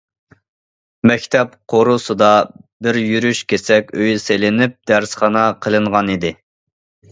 مەكتەپ قورۇسىدا بىر يۈرۈش كېسەك ئۆي سېلىنىپ دەرسخانا قىلىنغانىدى.